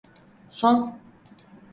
Son.